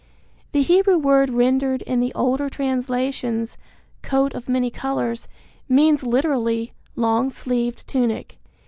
The Hebrew word rendered in the older translations, "coat of many colors," means literally, "long sleeved tunic."